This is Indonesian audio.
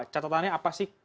catatannya apa sih